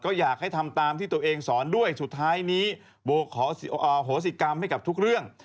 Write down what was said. ก็อยากให้ทำตามที่ตัวเองสอนด้วยสุดท้ายนี้โบขอโหสิกรรมให้กับทุกเรื่อง